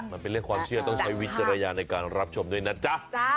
ต้องใช้วิทยาลัยในการรับชมด้วยนะจ๊ะ